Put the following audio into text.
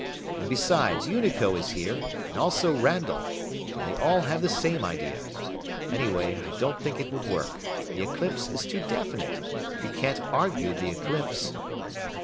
And besides Unico is here, and also Randall, and they all have the same idea. Anyway, I don't think it would work. The eclipse is too definite. You can't argue the eclipse."